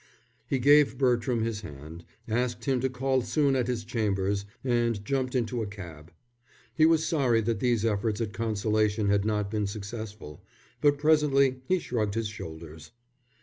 He gave Bertram his hand, asked him to call soon at his chambers, and jumped into a cab. He was sorry that these efforts at consolation had not been successful, but presently he shrugged his shoulders.